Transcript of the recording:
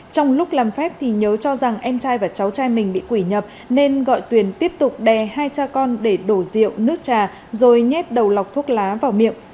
trong lúc làm phép thì nhớ cho rằng em trai và cháu trai mình bị quỷ nhập nên gọi tuyền tiếp tục đè hai cha con để đổ rượu nước trà rồi nhét đầu lọc thuốc lá vào miệng